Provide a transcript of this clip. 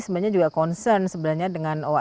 sebenarnya juga concern sebenarnya dengan oa